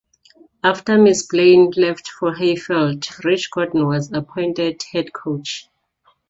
After Ms. Blaine left for Hayfield Rich Gordon was appointed head coach.